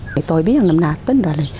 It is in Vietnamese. thì tôi biết là năm nào tính rồi